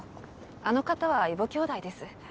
あの方は異母兄弟です。